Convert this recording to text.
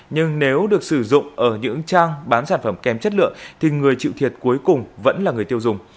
nhưng nếu được sử dụng ở những trang bán sản phẩm kém chất lượng thì người chịu thiệt cuối cùng vẫn là người tiêu dùng